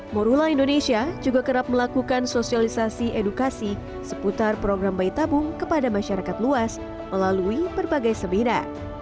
morula indonesia juga kerap melakukan sosialisasi edukasi seputar program bayi tabung kepada masyarakat luas melalui berbagai sebina